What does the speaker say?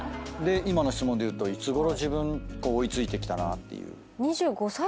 今の質問で言うといつごろ自分追い付いてきたなっていう。